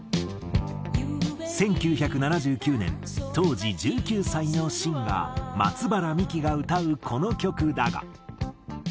１９７９年当時１９歳のシンガー松原みきが歌うこの曲だが。